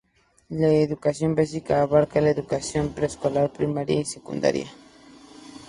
La educación básica abarca la educación preescolar, primaria y secundaria.